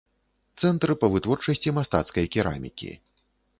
Цэнтр па вытворчасці мастацкай керамікі.